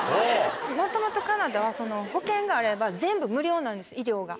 もともとカナダは保険があれば全部無料なんです医療が。